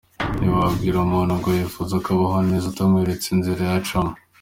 Ntiwabwira umuntu ngo wifuza ko abaho neza utamweretse inzira yacamo.